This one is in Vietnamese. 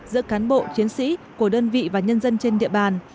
giữa cán bộ chiến sĩ của đơn vị và nhân dân trên địa bàn